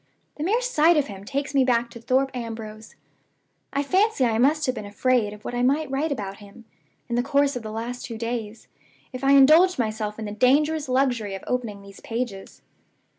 The mere sight of him takes me back to Thorpe Ambrose. I fancy I must have been afraid of what I might write about him, in the course of the last two days, if I indulged myself in the dangerous luxury of opening these pages.